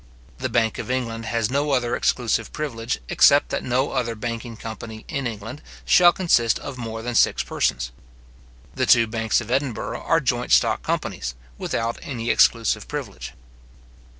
The bank of England has no other exclusive privilege, except that no other banking company in England shall consist of more than six persons. The two banks of Edinburgh are joint stock companies, without any exclusive privilege.